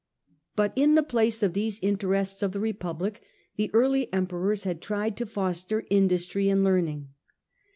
But in the place of these interests of the Republic the early Emperors had tried to foster industry and learning.